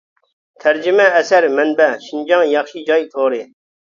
تەرجىمە ئەسەر مەنبە: شىنجاڭ ياخشى جاي تورى.